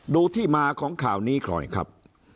ดูที่มาของข่าวนี้หน่อยครับ